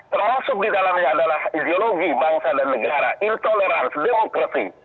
termasuk di dalamnya adalah ideologi bangsa dan negara intolerans demokrasi